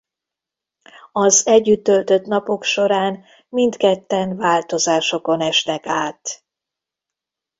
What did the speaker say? Az együtt töltött napok során mindketten változásokon esnek át.